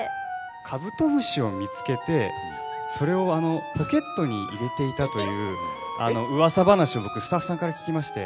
カブトムシを見つけて、それをポケットに入れていたといううわさ話を僕、スタッフさんから聞きまして。